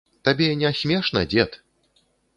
Табе не смешна, дзед?